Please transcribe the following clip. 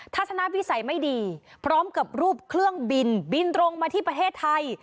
ทัศนวิสัยไม่ดีพร้อมกับรูปเครื่องบินบินตรงมาที่ประเทศไทย